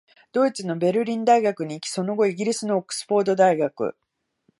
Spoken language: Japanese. ドイツのベルリン大学に行き、その後、イギリスのオックスフォード大学、